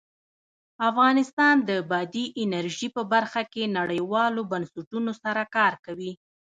افغانستان د بادي انرژي په برخه کې نړیوالو بنسټونو سره کار کوي.